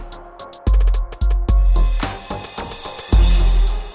kok bisa dia teman terbaik